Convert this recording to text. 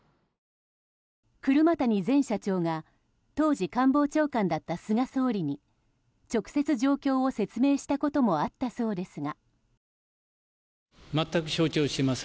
車谷前社長が当時、官房長官だった菅総理に直接状況を説明したこともあったそうですが。